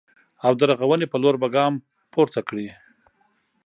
او د رغونې په لور به ګام پورته کړي